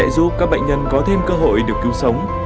giúp các bệnh nhân có thêm cơ hội được cứu sống